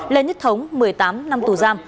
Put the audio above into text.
lê nhất thống một mươi tám năm tù giam